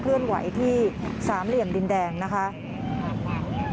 เลื่อนไหวที่สามเหลี่ยมดินแดงนะคะ